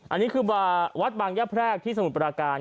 อันนี้คือวัดบางยะแพรกที่สมุทรปราการ